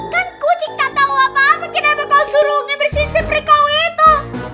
kan kucing tak tahu apa apa kenapa kau suruh dia bersihin spray kamu itu